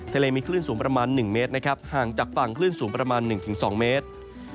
ทะเลมีคลื่นสูงประมาณ๑เมตรนะครับห่างจากฝั่งคลื่นสูงประมาณ๑๒เมตร